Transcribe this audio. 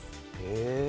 「へえ」